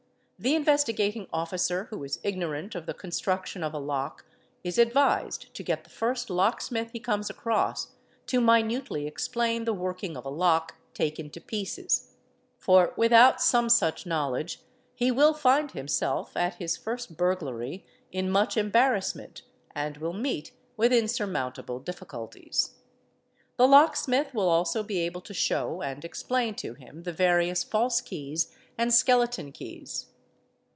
The Investigating Officer who is ignorant of the construction of a lock is advised to get the first locksmith he comes across to minutely explain the working of a lock taken_to pieces; for without some such knowledge he will find himself, at his first burglary, in much embarrassment, and will meet with insurmount able difficulties. 'The locksmith will also be able to show and explain to him the various false keys and skeleton keys.